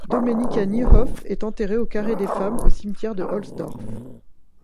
Domenica Niehoff est enterrée au carré des femmes au cimetière de Ohlsdorf.